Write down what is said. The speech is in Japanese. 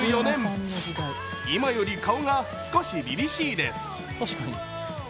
今より顔が少し凛々しいです。